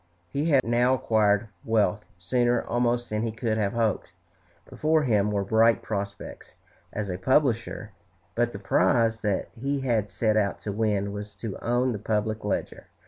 He had now acquired wealth, sooner almost than he could have hoped. Before him were bright prospects as a publisher; but the prize that he had set out to win was to own the "Public Ledger."